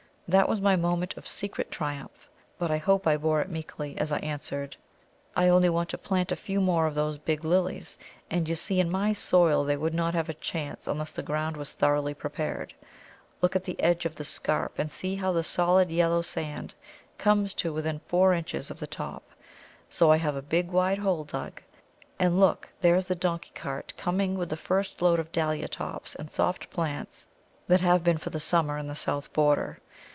That was my moment of secret triumph, but I hope I bore it meekly as I answered, "I only wanted to plant a few more of those big Lilies, and you see in my soil they would not have a chance unless the ground was thoroughly prepared; look at the edge of the scarp and see how the solid yellow sand comes to within four inches of the top; so I have a big wide hole dug; and look, there is the donkey cart coming with the first load of Dahlia tops and soft plants that have been for the summer in the south border.